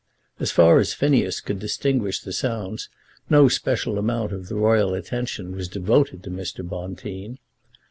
As far as Phineas could distinguish the sounds no special amount of the royal attention was devoted to Mr. Bonteen.